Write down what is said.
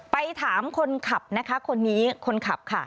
ไปถามคนขับนะคะคนนี้คนขับค่ะ